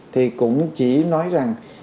thì cũng chỉ nói rằng